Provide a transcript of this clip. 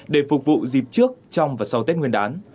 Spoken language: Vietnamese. để phục vụ dịp trước trong và sau tết nguyên đán